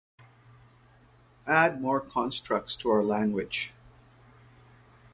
add more constructs to our language